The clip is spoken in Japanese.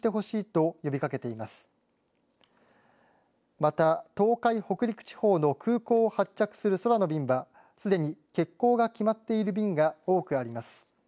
また東海、北陸地方の空港を発着する空の便はすでに欠航が決まっている便が多くあります。